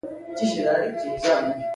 احمد هره ورځ د علي له ناسمو کړنو سر ټکوي.